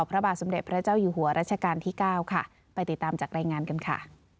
พระเจ้าอยู่หัวรัชกาลที่๙ค่ะไปติดตามจากแรงงานกันค่ะ